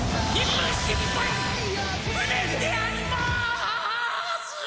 無念でありまーす！！